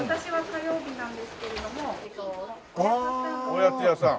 おやつ屋さん。